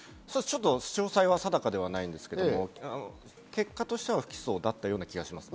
詳細は定かではないんですけれども、結果としては不起訴だったような気がします。